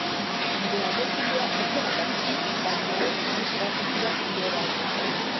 Nire aiherkundea ez zen aldatu, baina horrek ikusarazi zidan joera horiek.